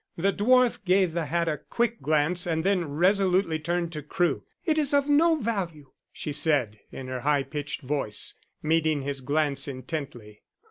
The dwarf gave the hat a quick glance, and then resolutely turned to Crewe. "It is of no value," she said, in her high pitched voice, meeting his glance intently.